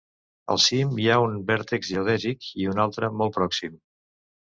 Al cim hi ha un vèrtex geodèsic, i un altre molt pròxim.